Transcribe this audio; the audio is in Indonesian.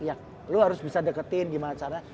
ya lo harus bisa deketin gimana caranya